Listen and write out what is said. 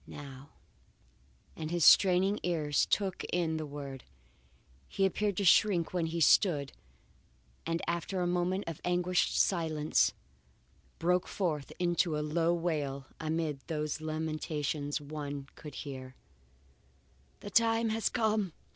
now, and as his straining ears took in the word, he appeared to shrink where he stood and after a moment of anguished silence, broke forth into a low wail, amid whose lamentations one could hear: "The time has come!